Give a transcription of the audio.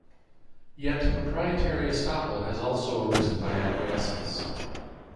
Yet proprietary estoppel has also arisen by acquiescence.